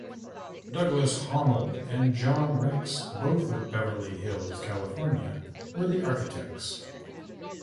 Douglas Honnold and John Rex, both of Beverly Hills, California, were the architects.